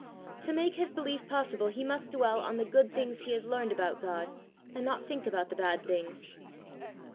To make his belief possible he must dwell on the good things he has learned about God, and not think about the bad things.